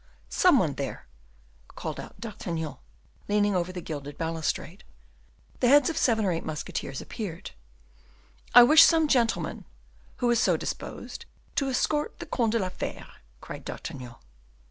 _ some one there," called out D'Artagnan, leaning over the gilded balustrade. The heads of seven or eight musketeers appeared. "I wish some gentleman, who is so disposed, to escort the Comte de la Fere," cried D'Artagnan.